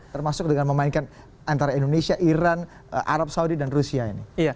termasuk dengan memainkan antara indonesia iran arab saudi dan rusia ini